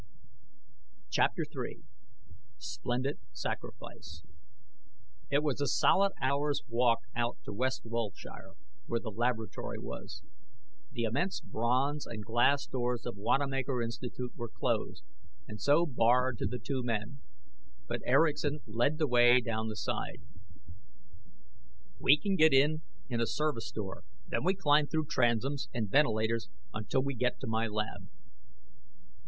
CHAPTER III Splendid Sacrifice It was a solid hour's walk out to West Wilshire, where the laboratory was. The immense bronze and glass doors of Wanamaker Institute were closed, and so barred to the two men. But Erickson led the way down the side. "We can get in a service door. Then we climb through transoms and ventilators until we get to my lab."